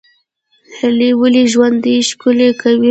هیلې ولې ژوند ښکلی کوي؟